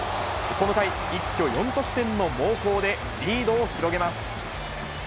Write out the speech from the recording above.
この回、一挙４得点の猛攻で、リードを広げます。